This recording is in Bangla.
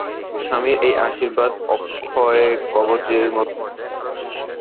স্বামীর এই আশীর্বাদ অক্ষয়কবচের মতো গ্রহণ করিল।